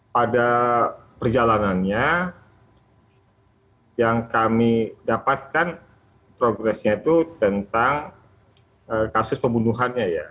pada perjalanannya yang kami dapatkan progresnya itu tentang kasus pembunuhannya ya